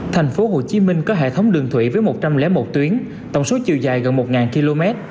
thành phố hồ chí minh có hệ thống đường thủy với một trăm linh một tuyến tổng số chiều dài gần một km